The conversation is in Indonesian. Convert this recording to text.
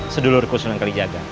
sedulur kusunan kelijaga